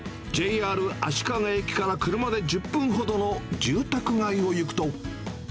ＪＲ足利駅から車で１０分ほどの住宅街を行くと。